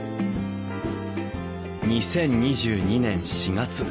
２０２２年４月。